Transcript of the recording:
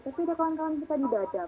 tapi ada kawasan kawasan kita di dajab